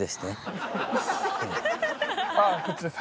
ああこっちです。